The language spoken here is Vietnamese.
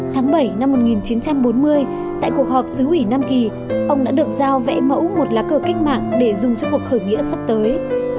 tháng bảy năm một nghìn chín trăm bốn mươi tại cuộc họp xứ ủy nam kỳ ông đã được giao vẽ mẫu một lá cờ cách mạng để dùng cho cuộc khởi nghĩa sắp tới